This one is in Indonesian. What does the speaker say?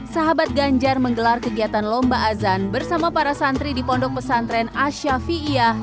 sahabat ganjar menggelar kegiatan lomba azan bersama para santri di pondok pesantren asyafiiyah